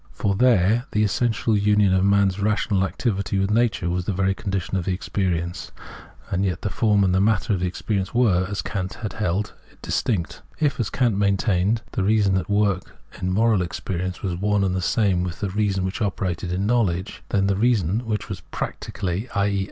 For there the essential union of man's rational activity with nature was the very condition of the experience ; and yet the form and the matter of the experience were, as Kant had held, distinct. If, as Kant maintained, the reason at work in moral experience was one and the same with the reason which operated in Knowledge, then the reason, which was practically, i.e.